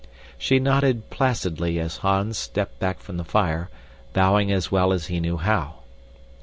She nodded placidly as Hans stepped back from the fire, bowing as well as he knew how.